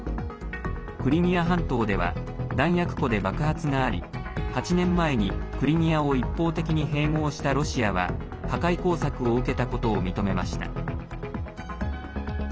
クリミア半島では弾薬庫で爆発があり８年前にクリミアを一方的に併合したロシアは破壊工作を受けたことを認めました。